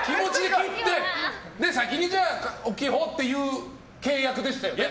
切って先に大きいほうっていう契約でしたよね。